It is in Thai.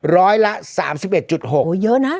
ร้อยละ๓๑๖โอ้เยอะนะ